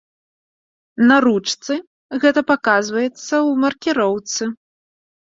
На ручцы гэта паказваецца ў маркіроўцы.